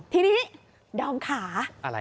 ทีนี้ดอมขา